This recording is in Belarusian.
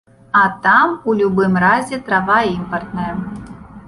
А там у любым разе трава імпартная.